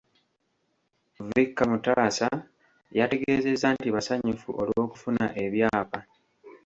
Vicar Mutaasa yategeezezza nti basanyufu olw’okufuna ebyapa.